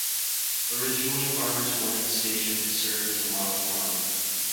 Originally, farmers wanted the station to serve as a model farm.